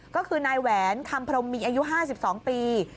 ก็คือนายแหวนคำพรมมีอายุ๕๒ปี